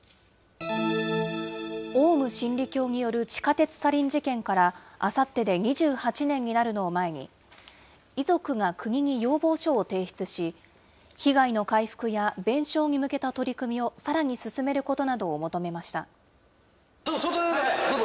オウム真理教による地下鉄サリン事件から、あさってで２８年になるのを前に、遺族が国に要望書を提出し、被害の回復や弁償に向けた取り組みをさらに進めることなどを求め外、外。